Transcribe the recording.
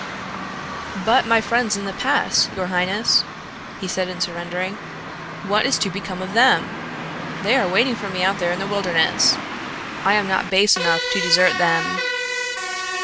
"But my friends in the pass, your highness," he said in surrendering, "what is to become of them? They are waiting for me out there in the wilderness. I am not base enough to desert them."